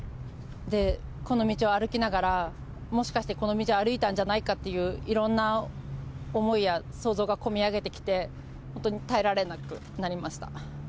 この道を歩きながら、もしかしてこの道を歩いたんじゃないかという、いろんな思いや想像がこみ上げてきて、本当に耐えられなくなりました。